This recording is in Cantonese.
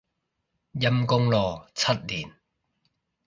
陰功咯，七年